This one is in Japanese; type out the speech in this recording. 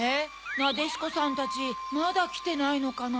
なでしこさんたちまだきてないのかな？